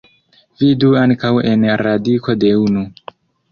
Vidu ankaŭ en radiko de unu.